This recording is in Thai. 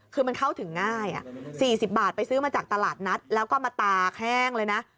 คือมันเข้าถึงง่าย๔๐บาทไปซื้อมาจากตลาดนัดแล้วก็มาตากแห้งเลยนะ